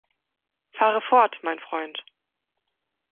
Fahre fort, mein Freund.